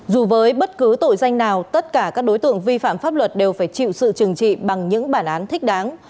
dù với bất cứ tội danh nào tất cả các đối tượng vi phạm pháp luật đều phải chịu sự trừng trị bằng những bản án thích đáng